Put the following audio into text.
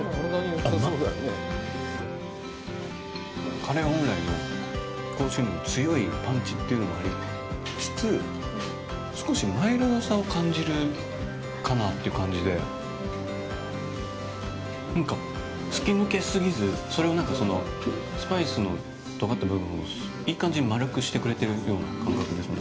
カレー本来の香辛料の強いパンチもありつつ少しマイルドさを感じるかなという感じでなんか突き抜け過ぎずそれを、なんかスパイスのとがった部分をいい感じに丸くしてくれているような感覚ですね。